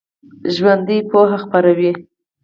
ژوندي پوهه خپروي